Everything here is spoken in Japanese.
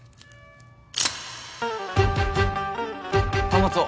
端末を。